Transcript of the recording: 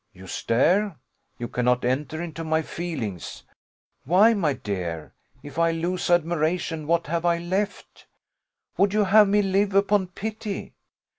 You stare you cannot enter into my feelings. Why, my dear, if I lose admiration, what have I left? Would you have me live upon pity?